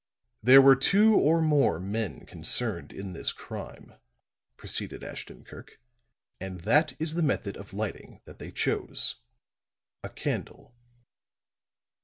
"There were two or more men concerned in this crime," proceeded Ashton Kirk, "and that is the method of lighting that they chose a candle."